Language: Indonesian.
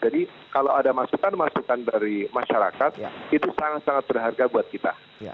jadi kalau ada masukan masukan dari masyarakat itu sangat sangat berharga buat kita